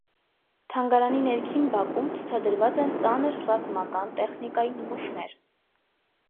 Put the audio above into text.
Թանգարանի ներքին բակում ցուցադրված են ծանր ռազմական տեխնիկայի նմուշներ։